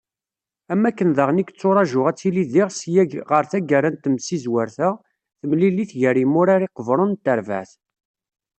Am wakken daɣen i yetturaǧu ad tili diɣ sya ɣer taggara n temsizwert-a, temlilt gar yimurar iqburen n terbaεt.